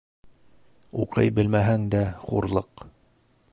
Уҡый белмәһәң дә хурлыҡ